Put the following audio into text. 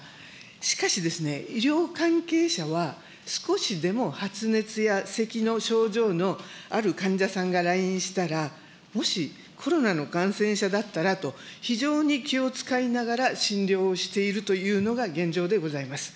しかしですね、医療関係者は、少しでも発熱やせきの症状のある患者さんが来院したら、もし、コロナの感染者だったらと、非常に気を遣いながら診療をしているというのが現状でございます。